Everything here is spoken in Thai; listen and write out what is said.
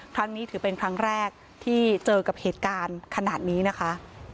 ครั้งนี้ถือเป็นครั้งแรกที่เจอกับเหตุการณ์ขนาดนี้นะคะ